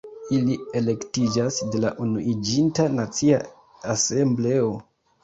Ili elektiĝas de la Unuiĝinta Nacia Asembleo.